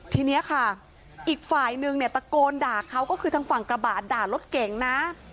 ทีนี้ค่ะอีกฝ่ายนึงเนี่ยตะโกนด่าเขาก็คือทางฝั่งกระบาดด่ารถเก่งนะ